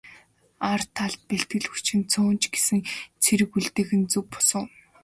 Ар талд бэлтгэл хүчинд цөөн ч гэсэн цэрэг үлдээх нь зөв бус уу?